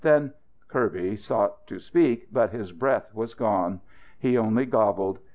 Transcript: Then " Kirby sought to speak. But his breath was gone. He only gobbled.